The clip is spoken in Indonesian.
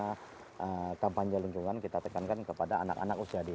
karena kampanye lingkungan kita tekankan kepada anak anak usia dini